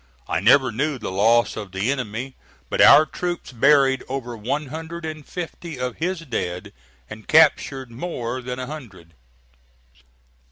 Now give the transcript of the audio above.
I never knew the loss of the enemy, but our troops buried over one hundred and fifty of his dead and captured more than a hundred.